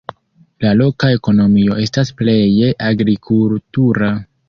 La loka ekonomio estas pleje agrikultura.